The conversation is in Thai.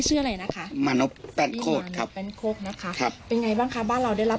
ตู้เสื้อผ้าครับ